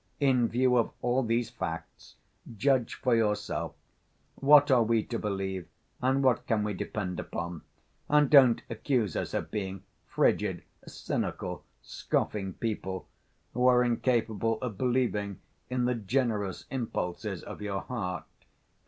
In view of all these facts, judge for yourself. What are we to believe, and what can we depend upon? And don't accuse us of being 'frigid, cynical, scoffing people,' who are incapable of believing in the generous impulses of your heart....